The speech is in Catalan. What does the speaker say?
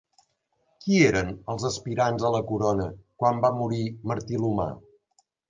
Qui eren els aspirants a la corona quan va morir Martí l'Humà?